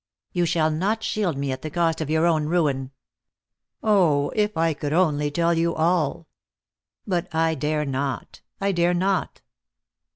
You shall not shield me at the cost of your own ruin. Oh, if I could only tell you all! But I dare not, I dare not!"